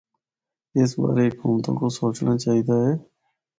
اس بارے حکومتاں کو سوچنڑا چاہی دا اے۔